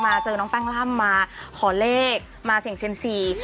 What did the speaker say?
เจอน้องแป้งล่ำมาขอเลขมาเสี่ยงเซียมซี